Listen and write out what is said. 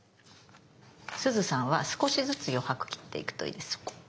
すずさんは少しずつ余白切っていくといいです。